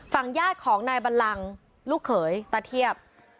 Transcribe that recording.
ฝั่งญาติของนายบันลังลูกเขยตาเทียบ